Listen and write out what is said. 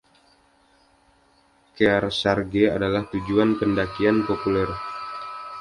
Kearsarge adalah tujuan pendakian populer.